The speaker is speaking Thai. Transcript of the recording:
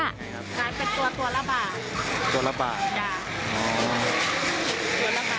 ขายเป็นตัวตัวละบาทอ๋อตัวละบาท